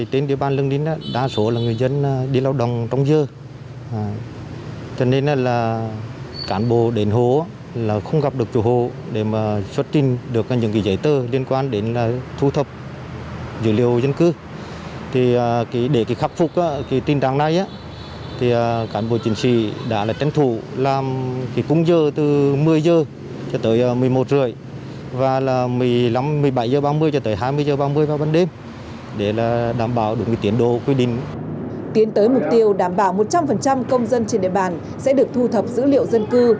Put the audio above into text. tiến tới mục tiêu đảm bảo một trăm linh công dân trên địa bàn sẽ được thu thập dữ liệu dân cư